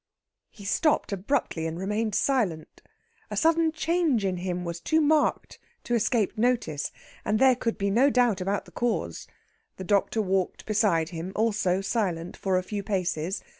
He stopped abruptly and remained silent. A sudden change in him was too marked to escape notice, and there could be no doubt about the cause. The doctor walked beside him, also silent, for a few paces.